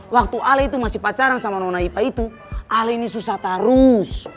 waktu ale itu masih pacaran sama noh naipa itu ale ini susah terus